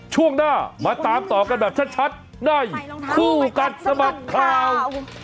ช่วงหน้ามาตามต่อกันแบบชัดในคู่กัดสะบัดข่าว